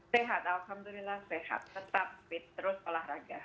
sehat alhamdulillah sehat tetap fit terus olahraga